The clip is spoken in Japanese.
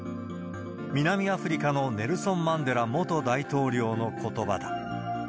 南アフリカのネルソン・マンデラ元大統領のことばだ。